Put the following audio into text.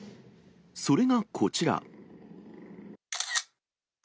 それがこちら。